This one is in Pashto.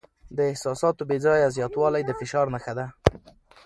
د احساساتو بې ځایه زیاتوالی د فشار نښه ده.